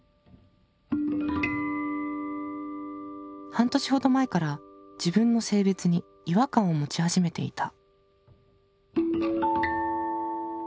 半年ほど前から自分の性別に違和感を持ち始めていた。